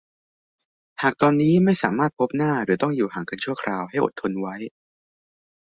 หากตอนนี้ไม่สามารถพบหน้าหรือต้องอยู่ห่างกันชั่วคราวให้อดทนไว้